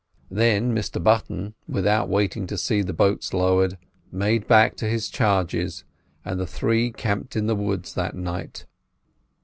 Then Mr Button, without waiting to see the boats lowered, made back to his charges, and the three camped in the woods that night.